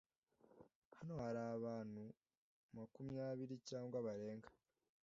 Hano hari abantu makumyabiri cyangwa barenga